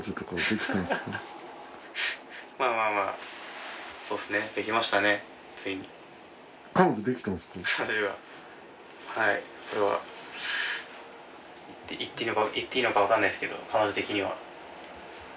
言っていいのか分かんないっすけど彼女的には。